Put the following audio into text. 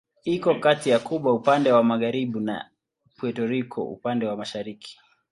Iko kati ya Kuba upande wa magharibi na Puerto Rico upande wa mashariki.